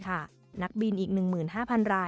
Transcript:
และสมัครใจเกษียณก่อนกำหนด๒๗๐๐ราย